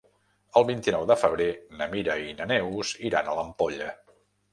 El vint-i-nou de febrer na Mira i na Neus iran a l'Ampolla.